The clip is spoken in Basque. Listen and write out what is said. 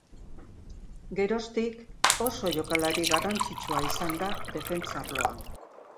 Geroztik, oso jokalari garrantzitsua izan da defentsa arloan.